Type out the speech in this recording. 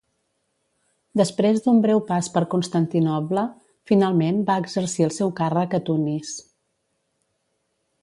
Després d'un breu pas per Constantinoble, finalment va exercir el seu càrrec a Tunis.